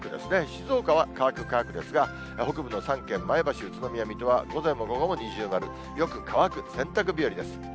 静岡は乾く、乾くですが、北部の３県、前橋、宇都宮、水戸は午前も午後も二重丸、よく乾く、洗濯日和です。